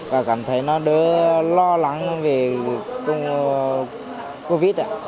và cảm thấy nó đỡ lo lắng về covid